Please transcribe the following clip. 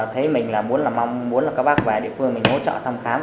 thấy mình là muốn là mong muốn là các bác về địa phương mình hỗ trợ thăm khám